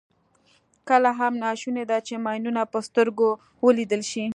کله هم ناشونې ده چې ماینونه په سترګو ولیدل شي.